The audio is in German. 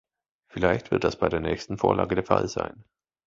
Vielleicht wird das bei der nächsten Vorlage der Fall sein.